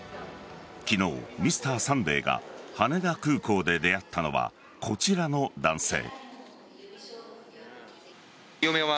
昨日「Ｍｒ．サンデー」が羽田空港で出会ったのはこちらの男性。